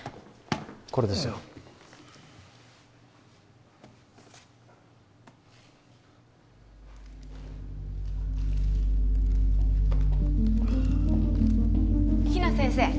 これですよ比奈先生